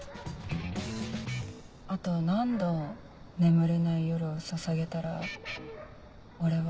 「あと何度眠れない夜をささげたら俺は」。